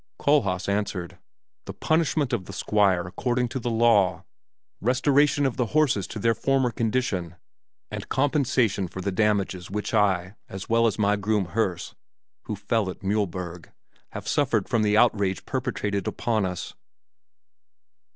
Kohlhaas answered, "The punishment of the Squire according to the law; restoration of the horses to their former condition; and compensation for the damages which I, as well as my groom Herse, who fell at Mühlberg, have suffered from the outrage perpetrated upon us."